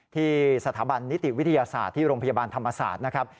ที่สถาบันนิติวิทยาศาสตร์ที่โรงพยาบาลธรรมศาสตร์นะครับ